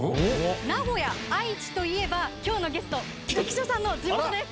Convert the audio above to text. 名古屋愛知といえば今日のゲスト浮所さんの地元です。